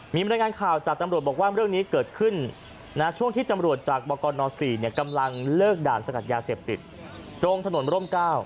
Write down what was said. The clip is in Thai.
มีบรรยายงานข่าวจากตำรวจบอกว่าเรื่องนี้เกิดขึ้นช่วงที่ตำรวจจากบกน๔กำลังเลิกด่านสกัดยาเสพติดตรงถนนร่ม๙